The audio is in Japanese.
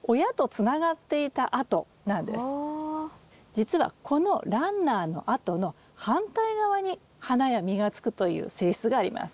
じつはこのランナーの跡の反対側に花や実がつくという性質があります。